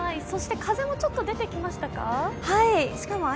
そして風もちょっと出てきましたか？